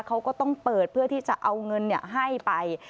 เขาก็ต้องเปิดเพื่อที่จะเอาเงินให้ไป